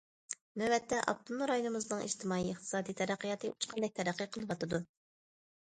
نۆۋەتتە، ئاپتونوم رايونىمىزنىڭ ئىجتىمائىي، ئىقتىسادىي تەرەققىياتى ئۇچقاندەك تەرەققىي قىلىۋاتىدۇ.